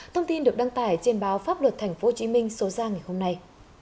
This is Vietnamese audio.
thông tin được đăng tải trên báo pháp luật tp hcm số ra ngày hôm nay